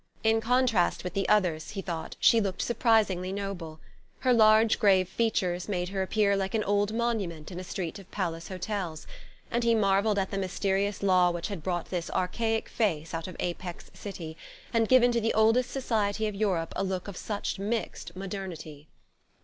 In contrast with the others, he thought, she looked surprisingly noble. Her large grave features made her appear like an old monument in a street of Palace Hotels; and he marvelled at the mysterious law which had brought this archaic face out of Apex City, and given to the oldest society of Europe a look of such mixed modernity.